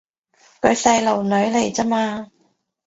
佢細路女嚟咋嘛